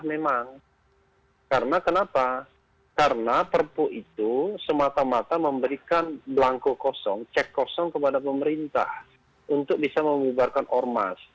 memang karena kenapa karena perpu itu semata mata memberikan belangko kosong cek kosong kepada pemerintah untuk bisa membubarkan ormas